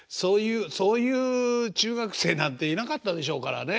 そういう中学生なんていなかったでしょうからね。